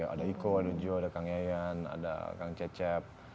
ada iko ada jo ada kang yayan ada kang cecep